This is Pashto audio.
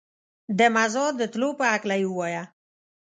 د مزار د تلو په هکله یې ووایه.